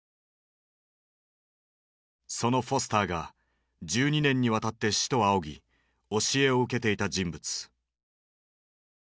そのフォスターが１２年にわたって師と仰ぎ教えを受けていた人物。